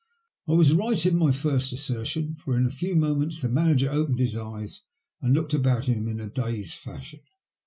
I was right in my first assertion, for in a few moments the manager opened his eyes and looked about him in a dazed fashion.